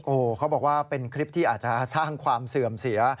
โอ้โหเขาบอกว่าเป็นคลิปที่อาจจะสร้างความเสื่อมเสีย